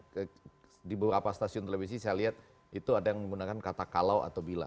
jadi di beberapa stasiun televisi saya lihat itu ada yang menggunakan kata kalau atau bila